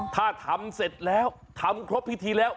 ถ้าทำเสร็จแล้วทำครบพิธีแล้ว